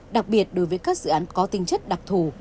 đặc biệt đối với các dự án có tinh chất đặc thù